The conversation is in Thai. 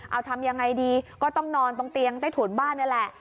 เอาทำยังไงดีก็ต้องนอนตรงเตียงใต้ถุนบ้านนี่แหละ